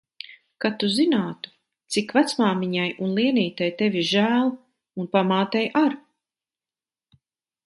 Kad tu zinātu, cik vecmāmiņai un Lienītei tevis žēl. Un pamātei ar.